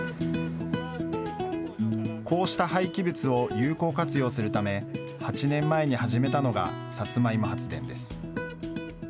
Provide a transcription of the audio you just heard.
こうした廃棄物を有効活用するため、８年前に始めたのがサツマイモ発電です。